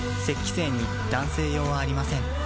精に男性用はありません